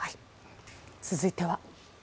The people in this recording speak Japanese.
続いては。